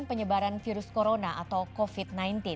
penyebaran virus corona atau covid sembilan belas